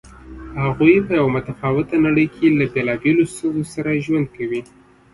هغوی په یوه متفاوته نړۍ کې له بېلابېلو ستونزو سره ژوند کوي.